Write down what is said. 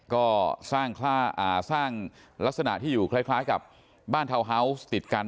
ก็สร้างลักษณะที่อยู่คล้ายกับบ้านทาวน์ฮาวส์ติดกัน